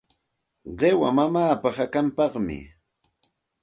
Qiwa mamaapa hakanpaqmi.